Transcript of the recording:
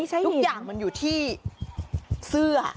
ทุกอย่างมันอยู่ที่เสื้อ